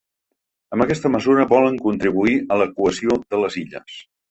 Amb aquesta mesura volen contribuir a la cohesió de les Illes.